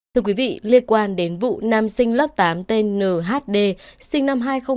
thưa quý vị liên quan đến vụ nam sinh lớp tám tên nhd sinh năm hai nghìn một mươi